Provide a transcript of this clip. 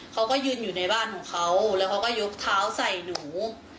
เขาก็ยืนอยู่ในบ้านของเขาแล้วเขาก็ยกเท้าใส่หนู